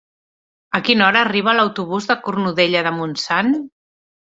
A quina hora arriba l'autobús de Cornudella de Montsant?